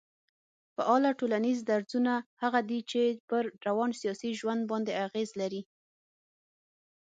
فعاله ټولنيز درځونه هغه دي چي پر روان سياسي ژوند باندي اغېز لري